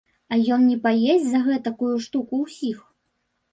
А ён не паесць за гэтакую штуку ўсіх?